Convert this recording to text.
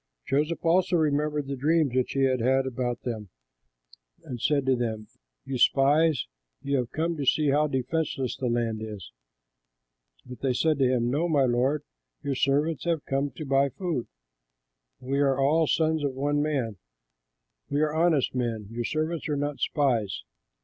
Joseph also remembered the dreams which he had had about them and said to them, "You spies! you have come to see how defenseless the land is." But they said to him, "No, my lord; your servants have come to buy food. We are all sons of one man; we are honest men; your servants are not spies."